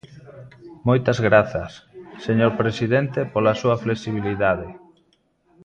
Moitas grazas, señor presidente pola súa flexibilidade.